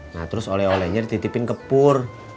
nah terus ole ole nya dititipin ke pur